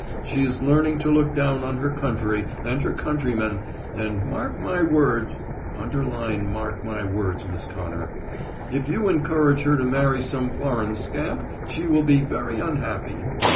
She is learning to look down on her country and her countrymen and mark my words underline mark my words, Miss Connor if you encourage her to marry some foreign scamp she will be very unhappy.